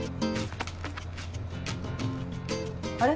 あれ？